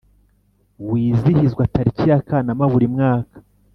wizihizwa tariki ya kanama buri mwaka